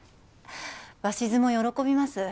鷲津も喜びます。